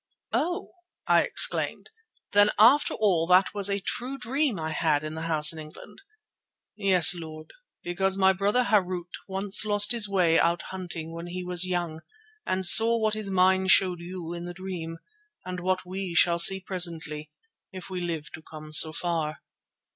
"Oh!" I exclaimed. "Then after all that was a true dream I had in the house in England." "Yes, Lord, because my brother Harût once lost his way out hunting when he was young and saw what his mind showed you in the dream, and what we shall see presently, if we live to come so far."